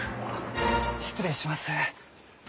失礼します。